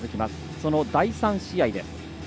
その第３試合です。